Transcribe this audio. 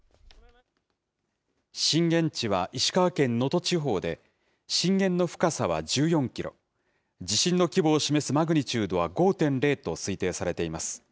震源地は石川県能登地方で、震源の深さは１４キロ、地震の規模を示すマグニチュードは５．０と推定されています。